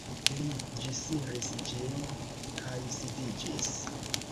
Li ĝisiris ĝin kaj sidiĝis.